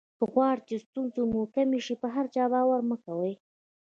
که غواړی چې ستونزې مو کمې شي په هر چا باور مه کوئ.